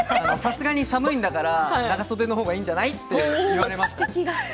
さすがに寒いんだから長袖のほうがいいんじゃないのと言われました。